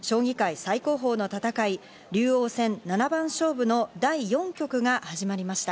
最高峰の戦い、竜王戦七番勝負の第４局が始まりました。